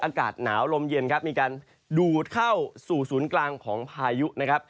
อากาศหนาวลมเย็นครับมีการดูดเข้าสู่ศูนย์กลางของพายุนะครับ